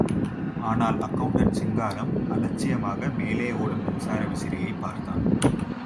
ஆனால் அக்கெளண்டண்ட் சிங்காரம், அலட்சியமாக மேலே ஓடும் மின்சார விசிறியைப் பார்த்தான்.